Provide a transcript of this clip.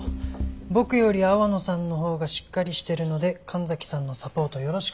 「僕より阿波野さんの方がしっかりしているので神崎さんのサポートよろしくお願いします」